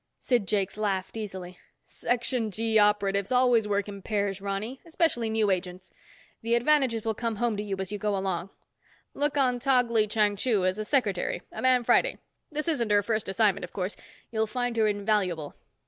Sid Jakes laughed easily. "Section G operatives always work in pairs, Ronny. Especially new agents. The advantages will come home to you as you go along. Look on Tog Lee Chang Chu as a secretary, a man Friday. This isn't her first assignment, of course. You'll find her invaluable."